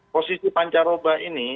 posisi pancaroba ini